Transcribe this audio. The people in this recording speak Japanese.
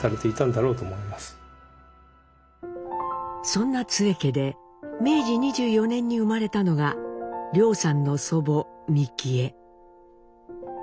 そんな津江家で明治２４年に生まれたのが凌さんの祖母ミキエ。